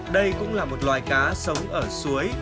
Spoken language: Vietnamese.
đây cũng là một loài cá sống ở suối